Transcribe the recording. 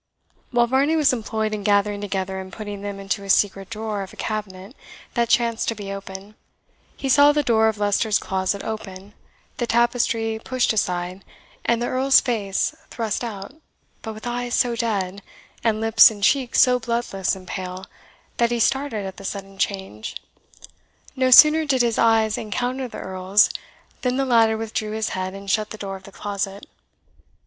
While Varney was employed in gathering together and putting them into a secret drawer of a cabinet that chanced to be open, he saw the door of Leicester's closet open, the tapestry pushed aside, and the Earl's face thrust out, but with eyes so dead, and lips and cheeks so bloodless and pale, that he started at the sudden change. No sooner did his eyes encounter the Earl's, than the latter withdrew his head and shut the door of the closet.